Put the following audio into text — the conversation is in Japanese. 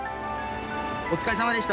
お疲れさまでした。